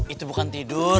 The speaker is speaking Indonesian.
itu bukan tidur